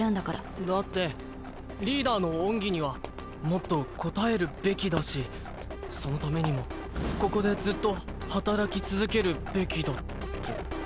だってリーダーの恩義にはもっと応えるべきだしそのためにもここでずっと働き続けるべきだって。